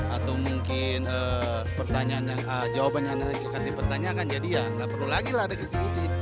atau mungkin jawabannya yang akan dipertanyakan jadi ya tidak perlu lagi ada visi visi